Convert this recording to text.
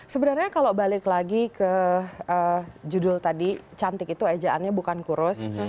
sebenarnya kalau balik lagi ke judul tadi cantik itu ejaannya bukan kurus